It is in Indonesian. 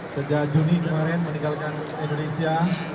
sejak juni kemarin meninggalkan indonesia